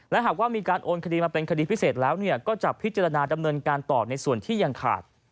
และหากว่ามีการโอนคดีมาเป็นคดีพิเศษแล้วก็จะพิจารณาดำเนินการต่อในส่วนที่ยังขาด